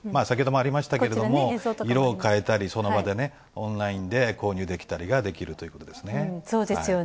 先ほどもありましたけど、色を変えたりその場でね、オンラインで購入できたりということですね。